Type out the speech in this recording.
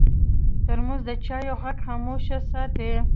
ترموز د چایو غږ خاموش ساتي.